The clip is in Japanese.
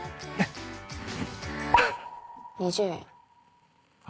２０円。は？